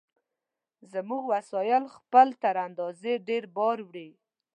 زموږ وسایل خپل تر اندازې ډېر بار وړي.